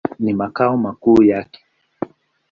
Ni makao makuu yake.